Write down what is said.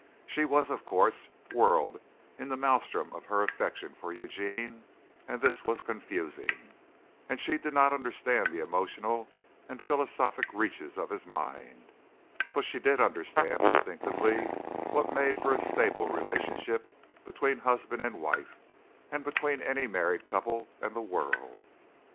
She was, of course, whirled in the maelstrom of her affection for Eugene and this was confusing, and she did not understand the emotional and philosophic reaches of his mind; but she did understand instinctively what made for a stable relationship between husband and wife and between any married couple and the world.